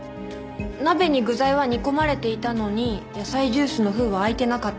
鍋に具材は煮込まれていたのに野菜ジュースの封は開いてなかった。